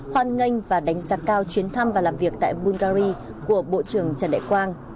hoan nghênh và đánh giá cao chuyến thăm và làm việc tại bungary của bộ trưởng trần đại quang